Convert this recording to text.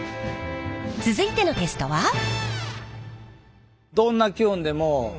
続いてのテストは。はあ。